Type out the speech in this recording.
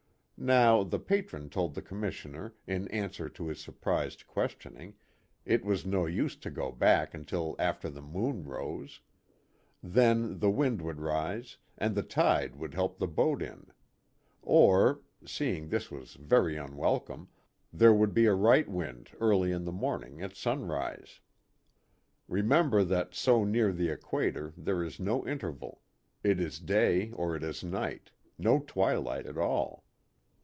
Now, the Patron told the Commissioner, in answer to his surprised questioning, it was no use to go back until after the moon rose ; then, the wind would rise, and the tide would help the boat in. Or seeing this was very unwelcome there would be a right wind early in the morning, at sunrise. Remember that so near the equator there is no interval it is day, or it is night, no twilight at all.